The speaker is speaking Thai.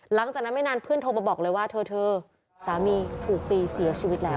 หลังจากนั้นไม่นานเพื่อนโทรมาบอกเลยว่าเธอสามีถูกตีเสียชีวิตแล้ว